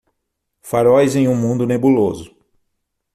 Faróis em um mundo nebuloso.